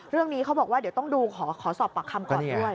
เรื่องนี้เขาบอกว่าเดี๋ยวต้องดูขอสอบปากคำก่อนด้วย